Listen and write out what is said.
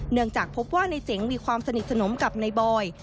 เนื่องจากพบว่าในเจ๋งมีความสนิทสนมกับนายบอย